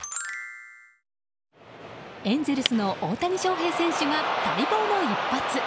エンゼルスの大谷翔平選手が待望の一発。